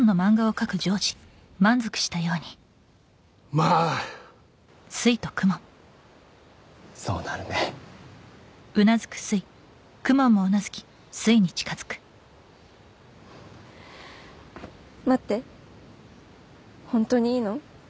まあそうなるね待って本当にいいの？